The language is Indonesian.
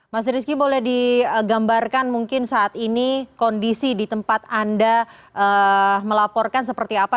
mas rizky boleh digambarkan mungkin saat ini kondisi di tempat anda melaporkan seperti apa